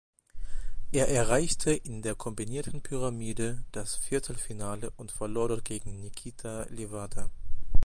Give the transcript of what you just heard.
Er erreichte in der Kombinierten Pyramide das Viertelfinale und verlor dort gegen Nikita Liwada.